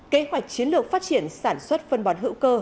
kế hoạch chiến lược phát triển sản xuất phân bón hữu cơ